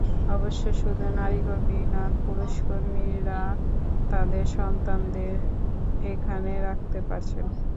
অবশ্য শুধু নারী কর্মীই নন, পুরুষ কর্মীরা তাঁদের সন্তানদের এখানে রাখতে পারছেন।